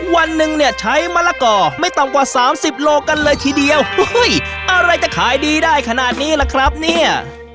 วันหนึ่งเนี่ยใช้มะละก่อไม่ต่ำกว่า๓๐โลกันเลยทีเดียวอะไรจะขายดีได้ขนาดนี้ล่ะครับเนี่ย